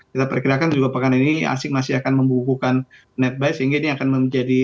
kita perkirakan juga pekan ini asik masih akan membukukan netbuy sehingga ini akan menjadi